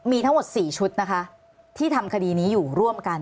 มีทั้งหมด๔ชุดนะคะที่ทำคดีนี้อยู่ร่วมกัน